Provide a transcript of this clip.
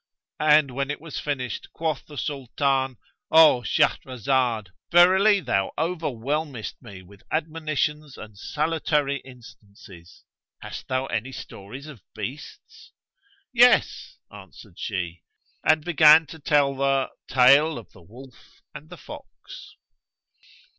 And when it was finished quoth the Sultan, "O Shahrazad, verily thou overwhelmest me with admonitions and salutary instances. Hast thou any stories of beasts?" "Yes," answered she, and began to tell the TALE OF THE WOLF AND THE FOX.